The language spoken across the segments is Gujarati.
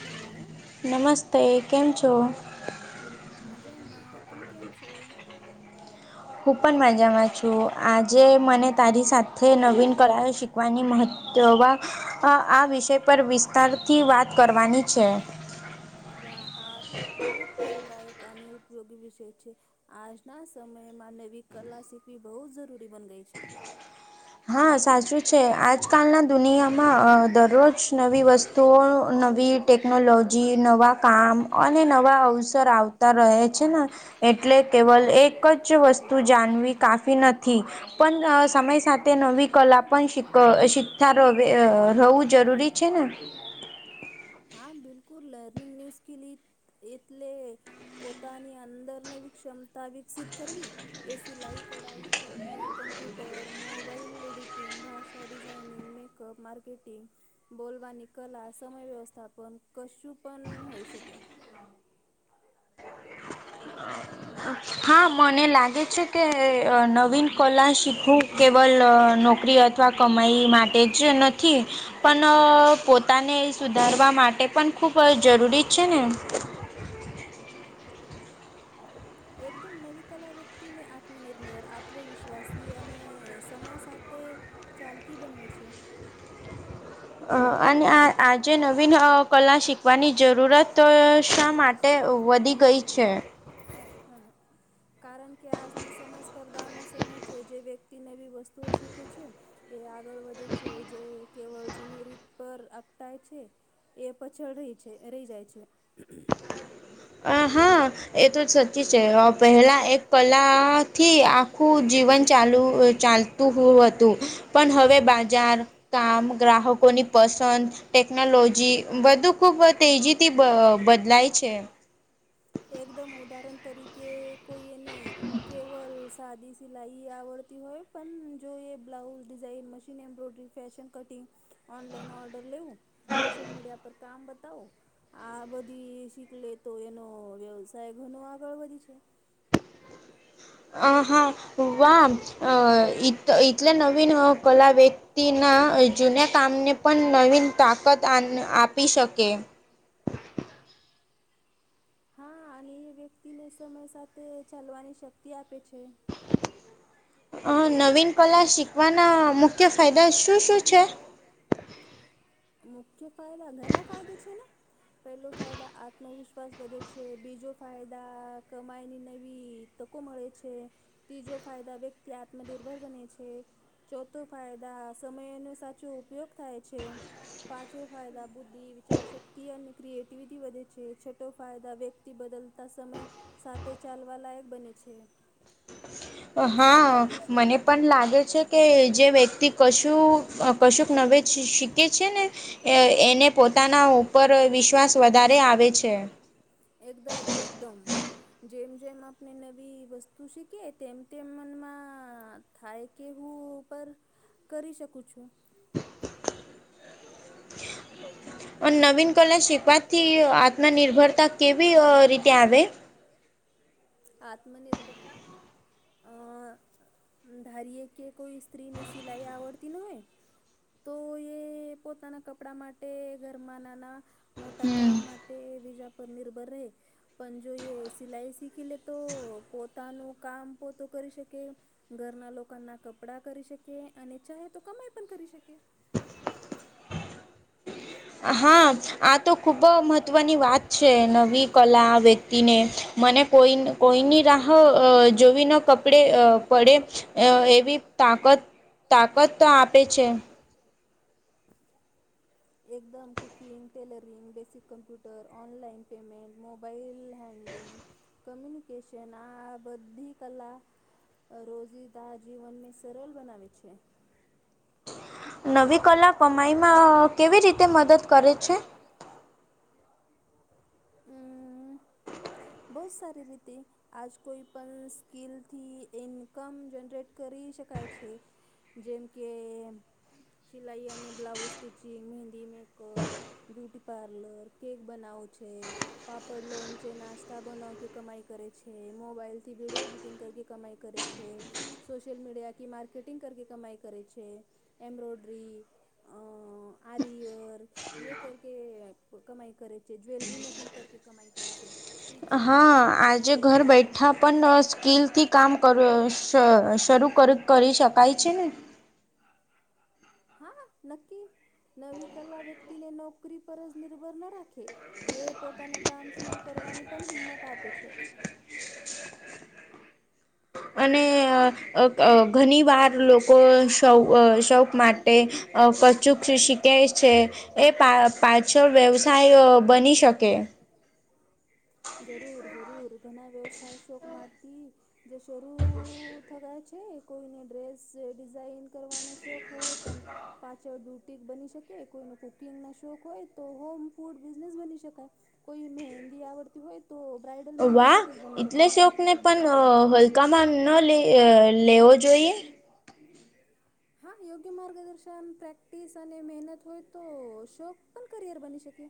હેલો. નમસ્તે કેમ છો. મજામાં તું કેમ છું. હું પણ મજામાં છું, આજે મને તારી સાથે. જે નવીન કલાઓ શિકવાની મહત્વ. હા આ વિષય પર વિસ્તારથી વાત કરવાની છે. વા આ તો ખૂબ પ્રેમદાયક અને ઉપયોગી વિષય છે. આજના સમયમાં નવી કલા શીખવી બહુ જ જરૂરી બન ગઈ છે. હા સાચું છે આજકાલના દુનિયામાં દરરોજ નવી વસ્તુ. તો નવી ટેકનોલોજી નવા કામ અને નવા અવસર આવ. વતા રહે છે ને એટલે કેવલ એક જ વસ્તુ જાણવી કાફી નથી. પણ સમય સાથે. તે નવી કલા પણ શીખતા રવુ જરૂરી છે ને. હા બિલકુલ લર્નિંગ ન્યૂ સ્કીલ એટલે. પોતાની અંદર નવી ક્ષમતા વિકસિત કરવી. એ સિલાઈ કઢાઈ કુકિંગ કમ્પ્યુટર મોબાઈલ એડિટિંગ ભાષા ડિઝાઇનિંગ મેક. માર્કેટિંગ બોલવાની કલા સમય વ્યવસ્થાપ. પન પણ કશું પણ હોઈ શકે. હા મને લાગે છે કે નવીન કલા શીખવું કેવલ નોકરી. અથવા કમાઈ માટે જ નથી. પણ પોતાને સુધારવા માટે પણ ખૂબ જરૂરી છે ને. એકદમ નવી કલા વ્યક્તિને આત્મનિર્ભર આત્મવિશ્વાસી અને સમય સાથે. ચાલતી બનવૈ છે. અને આ આજે નવીન કલા શીખવાની જરૂરત શા માટે. ટે વધી ગઈ છે. કારણ કે આજનો સમય. સ્પર્ધાનો સમય છે જે જે વ્યક્તિનેવી વસ્તુઓ શીખે છે એ આગળ વધે છે જે. કેવળ જૂની રીત પર અટાય છે. એ પછળ રહી છે રહી જાય છે. આ હા. એ તો જ સાચી છે, પહેલા એક કલાથી આખું જીવન ચાલુ ચાલ. તું હતું પણ હવે બાજાર. કામ ગ્રાહકોની પસંદ ટેકનોલોજી બધું ખૂબ. તેજી તી બ બદલાય છે. એકદમ ઉદાહરણ તરીકે કોઈ એને કેવલ સાદી. સિલાઈ આવડતી હોય પણ જો એ blouse design machine embroidery fashion cutting. Online order લેવું સોશિયલ મીડિયા પર કામ બતાવો. આ બધી શીખ લે તો એનો વ્યવસાય ઘનો આગળ વધી છે. આ હા વાહ ઈટલે નવીન કલા વ્ય. વ્યક્તિના જૂના કામને પણ નવીન તાકાત આન આપી શકે. હા અને એ વ્યક્તિ ને સમય સાથે ચાલવાની શક્તિ આપે છે. અ નવીન કલા શીખવાના મુખ્ય ફાયદા શું શું છે. મુખ્ય ફાયદા ઘણા ફાયદા છે ને. પહેલો ફાયદા આત્મવિશ્વાસ વધે છે બીજો ફાયદા કમાઈની નવી. તકો મળે છે ત્રીજો ફાયદા વ્યક્તિ આત્મનિર્ભર બને છે. ચોથો ફાયદા સમયનો સાચો ઉપયોગ થાય છે. પાંચો ફાયદા બુદ્ધિ વિચાર શક્તિ અને ક્રિએટિવિટી વધે છે, છઠો ફાયદા વ્યક્તિ. બદલતા સમય સાથે ચાલવાલાયક બને છે. હા મને. પણ લાગે છે કે જે વ્યક્તિ કશું કશુંક નવે શીખે છે ને. એ એને પોતાના ઉપર વિશ્વાસ વધારે આવે છે. એકદમ એકદમ. જેમ જેમ આપણે નવી વસ્તુ શીખીએ તેમ તેમ મનમાં. થાય કે હું પર કરી શકું છું. અને નવીન કલા શીખવાથી આત્મનિર્ભરતા કેવી રીતે આવે. આત્મનિર્ભરતા. અહં ધારીએ કે કોઈ સ્ત્રીની સિલાઈ આવડતી ન હોય. તો એ પોતાના કપડા માટે ઘરમાં નાના. મોટા કામ માટે બીજા પર નિર્ભર રહે પણ જો એ સિલાઈ શીખી લે. તો પોતાનું કામ પોતો કરી શકે. ઘરના લોકો ના કપડા કરી શકે અને ચાહે તો કમાઈ પણ કરી શકે. હા આ તો ખૂબ મહત્વની વાત છે નવી કલા વ્યક્તિ. તીને મને કોઈ. કોઈની રાહ જોવી ન કપડે પડે એવી. તાકત તાકત તો આપે છે. એકદમ cooking tailoring basic computer online payment mobile handling. Communication આ બધી કલા. અ રોજિદા જીવન ને સરલ બનાવે છે. નવી કલા કમાઈમાં કેવી રીતે મદદ કરે છે. હમ્મ. બહુ સારી રીતે. આજ કોઈ પણ સ્કીલ થી ઇન્કમ જનરેટ કરી શકાય છે. જેમ કે સિલાઈ અને blouse stitching, mehndi makeup. Beauty parlour, cake બનાવો છે, પાપડ લોન છે, નાસ્તા. બનાવ કે કમાઈ કરે છે, મોબાઈલથી વિડિયો એડિટિંગ કર કે કમાઈ કરે છે. સોશિલ મીડિયા કે માર્કેટિંગ કર કે કમાઈ કરે છે, એમ્બ્રોડરી. અહ આરીઅર યે કર કે કમાઈ કરે છે, જ્વેલરી મેકિંગ કર કે કમાઈ કરે છે. હા આજે ઘર બેઠા પણ અહ સ્કીલ થી કામ કરું શ શરૂ કરી શકાય છે ને હા હા નક્કી, નવી કલા વ્યક્તિને નોકરી પર જ નિર્ભર ન રાખે. એ પોતાને કામ શરુ કરવાની પણ હિંમત આપે છે. અહ અહ ઘણી વાર લોકો શૌ શોક માટે ક ચુ શીખે છે, એ પા પાછળ વ્યવસાય બની શકે. જરૂર જરૂર ઘણા વ્યવસાય શોક માંથી જે શરૂ [unintelligible] થવા છે કોઈને ડ્રેસ ડિઝાઇન કરવાનો શોખ હોય પણ પાછળ ડૂ ટી બની શકે કોઈ કુકિંગ ના શોખ હોય તો હોમ ફૂડ બિઝનેસ બની શકાય. કોઈ મહેંદી આવડતી હોય તો બ્રાઇડલ મહેંદી આર્ટિસ્ટ બની શકે. ને પણ આહ હલકામાં ન લે અહ લેવો જોઈએ. હા, યોગ્ય માર્ગદર્શન પ્રેક્ટિસ અને મહેનત હોય તો શોક પણ કરિયર બની શકે.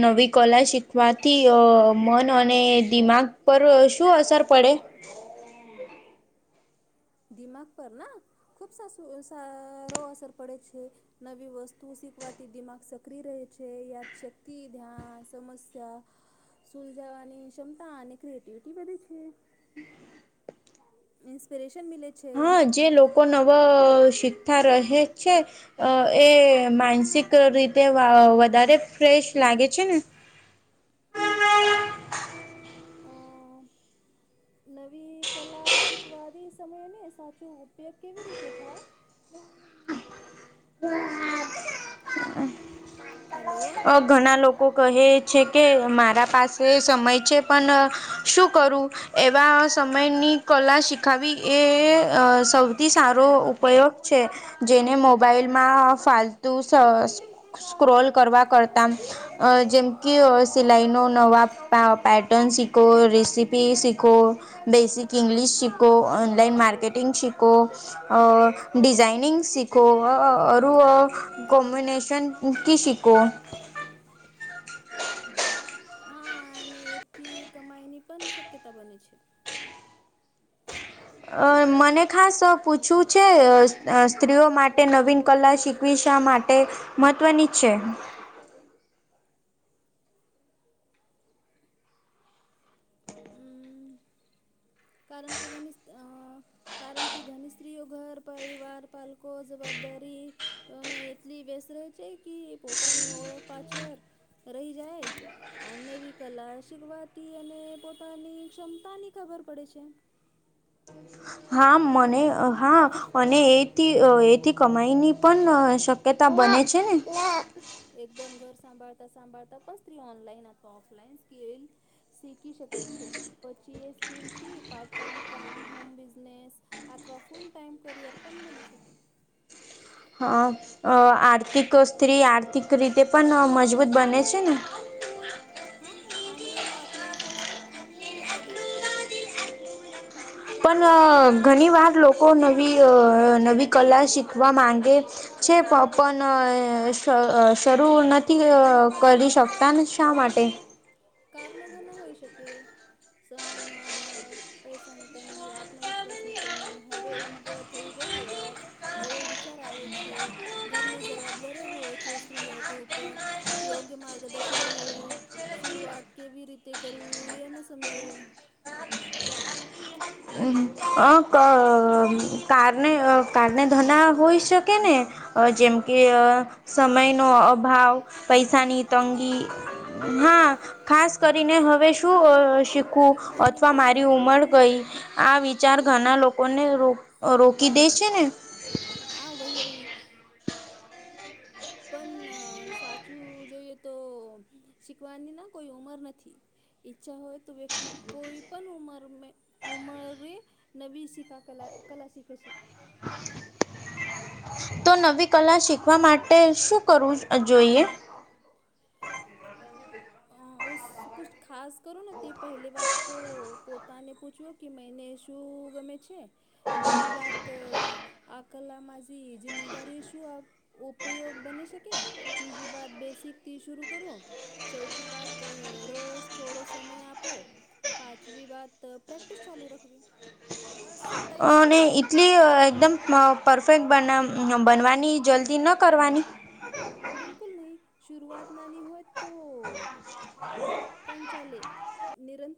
નવી કલા શીખવાથી અહ મન અને દિમાગ પર શું અસર પડે. દિમાગ પર ના ખુબ સાસુ સારો અહ અસર પડે છે. નવી વસ્તુ શિકવાથી દિમાગ સક્રિય રહે છે યાદ શક્તિ, ધ્યાન, સમસ્યા સુલઝાવાની ક્ષમતા અને ક્રિએટિવિટી વધે છે. ઇન્સ્પિરેશન મિલે હા જે લોકો નવા અહ શીખતા રહે છે અહ એ માનસિક રીતે વા-વધારે ફ્રેશ લાગે છે ને નવી કલા શીખવાદી સમયેને સાચું ઉપયોગ કેવી રીતે થાય? હલો. ઘણા લોકો કહે છે, કે મારા પાસે સમય છે, પણ અહ શું કરું એવા સમયની કલા શીખાવી એ અહ સૌથી સારો ઉપયોગ છે. જેને મોબાઈલમાં ફાલતુ સ-સ્ક્રોલ કરવા કરતા અહ જેમ કે અહ સિલાઈનો નવા પા-પેટર્ન શીખો, રેસીપી શીખો બેસિક ઇંગ્લિશ શિકો ઓનલાઈન માર્કેટિંગ શિકો અહ ડિઝાઇનિંગ સીકો અહ અરુ અહ કોમ્બિનેશન થી શીખો એથી કમાઈની પણ શક્યતા બને છે. અહ મને ખાસ આ પૂછવું છે, અહ અહ સ્ત્રીઓ માટે નવીન કલા શી વી શા માટે મહત્ત્વની છે. કારણકે [unintelligible] અહ કારણકે ઘની સ્ત્રીઓ ઘર પરિવાર, પાલકો જવાબદારી તોને એટલી વસ્ત રહે છે, કે પોતાની ઓળખ પાછળ રહી જાય. આ નવી કલા શીખવાથી એને પોતાની ક્ષમતાની ખબર પડે છે. હા, મને હા અને એથી એથી કમાઈની પણ શ કિયતા બને છે ને એકદમ ઘર સાંભાળતા સાંભાળતા પણ સત્રી ઓનલાઈન કાતો ઓફલાઈન સ્કિલ શીખી શકે છે, પછી એ સ્કીલથી પાર્ટ ટાઈમ કામ, હોમ બિઝનેસ અથવા ફૂલ ટાઈમ કરિયર પણ બની શકે. હા, આર્થિક સ્ત્રી, આર્થિક રીતે પણ મજબૂત બને છે ને. હા અને એનો આત્મવિશ્વાસ પણ ખુબ વધે છે. પણ ઘણી વાર લોકો નવી અહ નવી કલા શીખવા માંગે છે પણ શ અહ શરૂ નથી અહ કરી શકતા ને શા માટે કારન ઘરના હોઈ શકે, સમયનો આભાવ પૈસાની તંગી, આત્મવિશ્વાસ ની કમી, હવે ઉમ્ર થઈ ગઈ અહ એવો વિચાર આવે છે ઘરની જવાબદારી હોય છે સ્ત્રીઓ કે ઉપર યોગ્ય માર્ગદર્શન મેળવું શરૂઆત કેવી રીતે કરવું એ ને સમજવું. હમ કારને કારને ધના હોઈ શકે ને અ જેમ કે અ સમયનો અભાવ, પૈસાની તંગી... હા ખાસ કરીને હવે શું શીખવું અથવા મારી ઉમર ગઈ. આ વિચાર ઘના લોકોને રો રોકી દે છે ને. હા, વહી-વહી. પન સાચું જોઈએ, તો શીખવાની ના કોઈ ઉંમર નથી. ઇચ્છા હોય, તો વ્યક્તિ કોઈ પણ ઉંમર મે ઉમરે નવી શીખા કલા કલા શીકે છે. તો નવી કલા શીખવા માટે શું કરવું જ જોઈએ? અ ઉસ કુછ ખાસ કરો ને તે પહેલી વાત તો પોતાને પૂછવો. કે મૈને શું ગમે છે? બીજી વાત, આ કલામાં જી જિમ્મેદારી શું આપ ઉપયોગ બની શકે, તીજી બાદ બેસિક થી શુરૂ કરો. ચૌથી વાત રોસ થોડો સમય આપો. પાંચમી બાત પ્રેક્ટિસ ચાલુ રખવી. બસ ઈતા હી. અને એટલી એકદમ મ પરફેક્ટ બના બનવાની જલ્દી ન કરવાની. બિલકુલ નઈ શુરૂઆત નાની હોય તો. પન ચાલે. નિરં